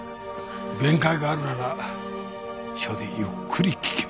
弁解があるなら署でゆっくり聴きましょう。